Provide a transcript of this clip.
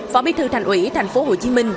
phó bí thư thành ủy tp hcm